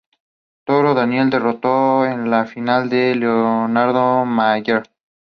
Taro Daniel derrotó en la final a Leonardo Mayer.